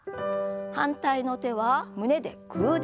反対の手は胸でグーです。